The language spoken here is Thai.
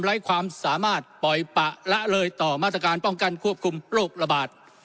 ไร้ความสามารถปล่อยปะละเลยต่อมาตรการป้องกันควบคุมโรคระบาด